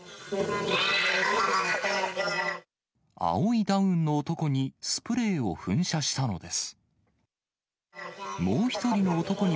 青いダウンの男に、スプレーを噴射したのです。